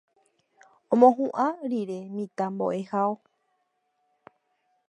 omohu'ã rire mitãmbo'ehao